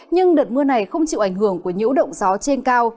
nhưng đợt mưa này không chịu ảnh hưởng của nhiễu động gió trên cao